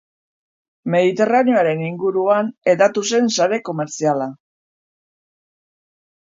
Mediterraneoaren inguruan hedatu zen sare komertziala.